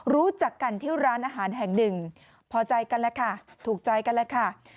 รู้จักกันที่ร้านอาหารแห่งหนึ่งพอใจกันแล้วค่ะถูกใจกันแล้วค่ะ